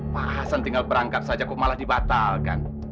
pak hasan tinggal berangkat saja kok malah dibatalkan